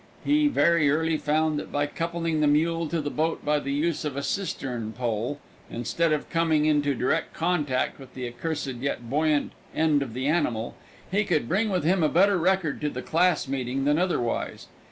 He very early found that by coupling the mule to the boat by the use of a cistern pole, instead of coming into direct contact with the accursed yet buoyant end of the animal, he could bring with him a better record to the class meeting than otherwise.